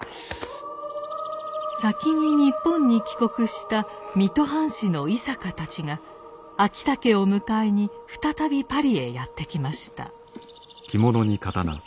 先に日本に帰国した水戸藩士の井坂たちが昭武を迎えに再びパリへやって来ました。